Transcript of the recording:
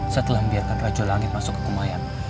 saya telah membiarkan raja langit masuk ke kumayan